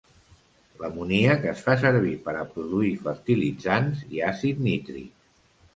L'amoníac es fa servir per a produir fertilitzants i àcid nítric.